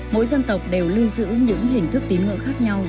mỗi dân tộc đều lưu giữ những hình thức tín ngưỡng khác nhau